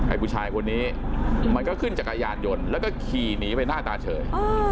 ผู้ชายคนนี้มันก็ขึ้นจักรยานยนต์แล้วก็ขี่หนีไปหน้าตาเฉย